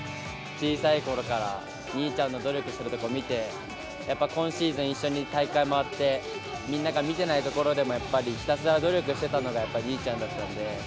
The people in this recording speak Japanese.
小さいころから兄ちゃんの努力してるところ見て、やっぱ今シーズン一緒に大会回って、みんなが見てないところでもやっぱりひたすら努力してたのが、やっぱり兄ちゃんだったので。